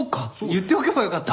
言っておけばよかった。